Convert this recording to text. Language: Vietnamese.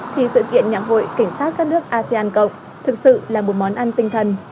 thì sự kiện nhạc hội cảnh sát các nước asean cộng thực sự là một món ăn tinh thần